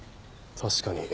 確かに。